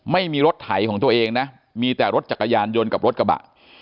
ไม่มีรถไถของตัวเองนะมีแต่รถจักรยานยนต์กับรถกระบะ